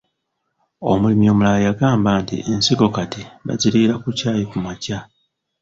Omulimi omulala yagamba nti ensigo kati baziriira ku caayi kumakya.